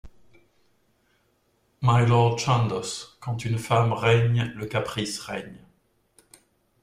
My Lord Chandos , quand une femme règne, le caprice règne.